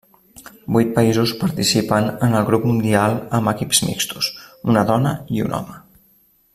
Vuit països participen en el Grup Mundial amb equips mixtos, una dona i un home.